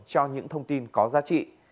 cho những thông tin có giá trị